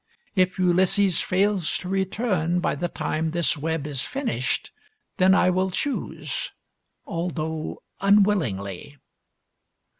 If Ulysses fails to return by the time this web is finished, then I will choose, although unwillingly."